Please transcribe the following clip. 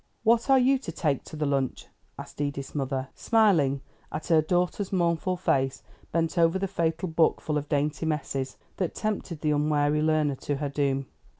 "What are you to take to the lunch?" asked Edith's mother, smiling at her daughter's mournful face, bent over the fatal book full of dainty messes, that tempted the unwary learner to her doom.